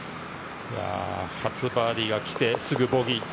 初バーディーが来てすぐボギー。